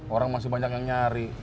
orang masih banyak yang nyari